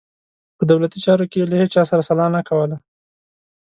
په دولتي چارو کې یې له هیچا سره سلا نه کوله.